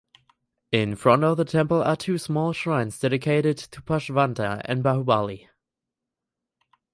In front of the temple are two small shrines dedicated to Parshvanatha and Bahubali.